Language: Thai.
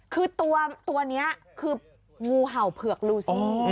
คือตัวนี้คืองูเห่าเผือกดูสิ